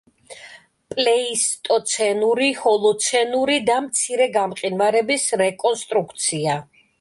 პლეისტოცენური, ჰოლოცენური და მცირე გამყინვარების რეკონსტრუქცია.